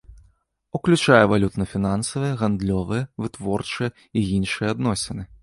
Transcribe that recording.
Уключае валютна-фінансавыя, гандлёвыя, вытворчыя і іншыя адносіны.